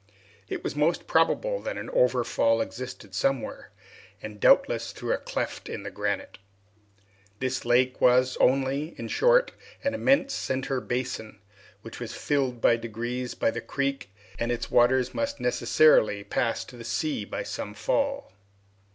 It was most probable that an overfall existed somewhere, and doubtless through a cleft in the granite. This lake was only, in short, an immense center basin, which was filled by degrees by the creek, and its waters must necessarily pass to the sea by some fall.